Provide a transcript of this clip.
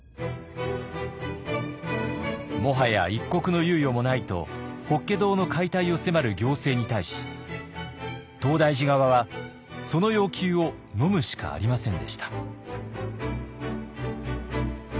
もはや一刻の猶予もないと法華堂の解体を迫る行政に対し東大寺側はその要求をのむしかありませんでした。